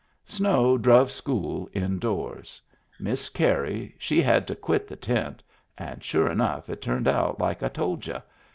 Snow druv school indoors. Miss Carey she had to quit the tent — and sure enough it turned out like I told y'u.